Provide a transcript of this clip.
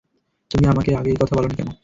তুমি আমাকে আগে এই কথা বলনি কেন?